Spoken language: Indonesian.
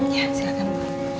iya silahkan bu